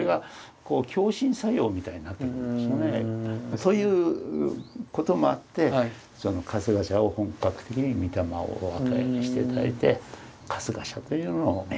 そういうこともあってその春日社を本格的に御霊をお分けして頂いて春日社というのを作ったわけなんですよね。